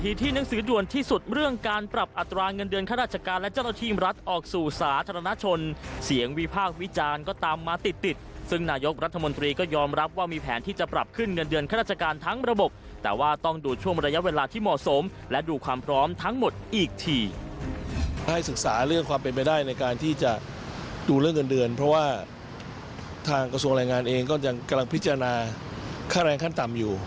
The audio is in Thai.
ดูเรื่องเงินเดือนเพราะว่าทางกระทรวงรายงานเองก็ยังกำลังพิจารณาค่าแรงขั้นต่ำอยู่